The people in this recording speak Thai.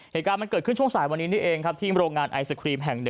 เหตุการณ์มันเกิดขึ้นช่วงสายวันนี้นี่เองครับที่โรงงานไอศครีมแห่ง๑